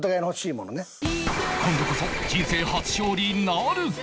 今度こそ人生初勝利なるか？